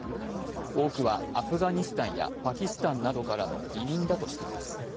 多くはアフガニスタンやパキスタンなどからの移民だとしています。